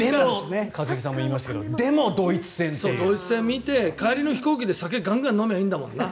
一茂さんも言いましたけどドイツ戦を見て帰りの飛行機で酒ガンガン飲めばいいんだもんな。